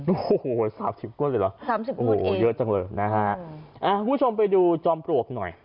โอ้โหสามสิบก้นเลยเหรอสามสิบโอ้โหเยอะจังเลยนะฮะคุณผู้ชมไปดูจอมปลวกหน่อย